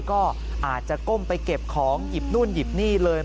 ก็อาจจะก้มไปเก็บของหยิบนู่นหยิบนี่เลย